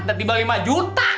nanti dibagi lima juta